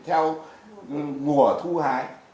theo mùa thu hái